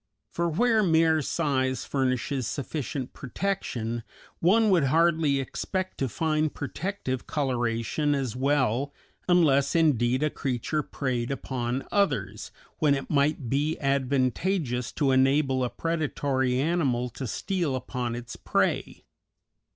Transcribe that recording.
For where mere size furnishes sufficient protection one would hardly expect to find protective coloration as well, unless indeed a creature preyed upon others, when it might be advantageous to enable a predatory animal to steal upon its prey.